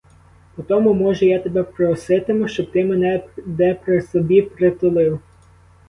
Потому, може, я тебе проситиму, щоб ти мене де при собі притулив.